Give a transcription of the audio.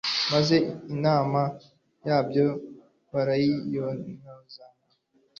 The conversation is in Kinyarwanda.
maze inama yabyo barayinoza